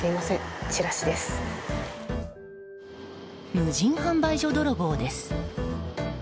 無人販売所泥棒です。